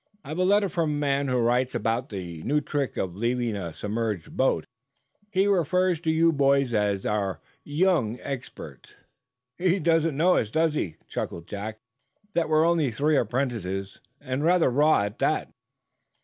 I've a letter from a man who writes about the new trick of leaving a submerged boat. He refers to you boys as our young experts." "He doesn't know, does he," chuckled Jack, "that we're only three apprentices, and rather raw, at that?"